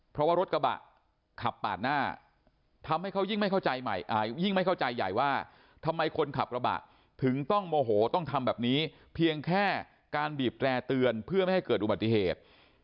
เพราะว่ารถกระบะขับปาดหน้าทำให้เขายิ่งไม่เข้าใจใหม่ยิ่งไม่เข้าใจใหญ่ว่าทำไมคนขับกระบะถึงต้องโมโหต้องทำแบบนี้เพียงแค่การบีบแร่เตือนเพื่อไม่ให้เกิดอุบัติเหตุ